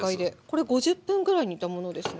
これ５０分くらい煮たものですね。